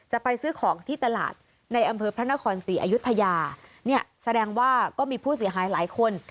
จะไปซื้อของที่ตลาดในอำเภอพระนครศรีอยุธยาเนี่ยแสดงว่าก็มีผู้เสียหายหลายคน